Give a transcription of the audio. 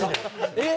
えっ？